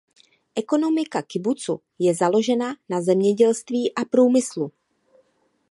Ekonomika kibucu je založena na zemědělství a průmyslu.